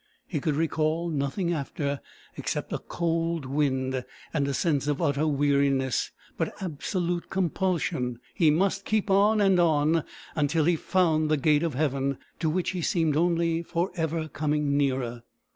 He could recall nothing after, except a cold wind, and a sense of utter weariness but absolute compulsion: he must keep on and on till he found the gate of heaven, to which he seemed only for ever coming nearer.